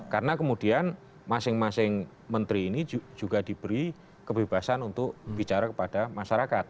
karena kemudian masing masing menteri ini juga diberi kebebasan untuk bicara kepada masyarakat